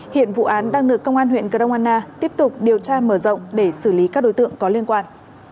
hiện vụ án đang được công an huyện grong anna tiếp tục điều tra mở rộng để xử lý các đối tượng có liên quan